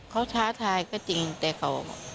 เขาท้าทายก็จริงแต่เขา